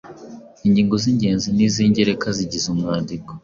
ingingo z’ingenzi n’iz’ingereka zigize umwandiko,